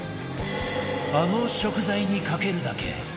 あの食材にかけるだけ！